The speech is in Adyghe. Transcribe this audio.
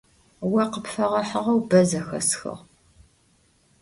О къыпфэгъэхьыгъэу бэ зэхэсхыгъ.